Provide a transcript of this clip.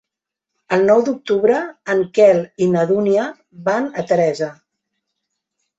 El nou d'octubre en Quel i na Dúnia van a Teresa.